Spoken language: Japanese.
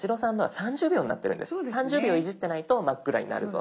３０秒いじってないと真っ暗になるぞ。